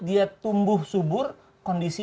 dia tumbuh subur kondisi